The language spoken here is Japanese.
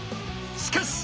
しかし！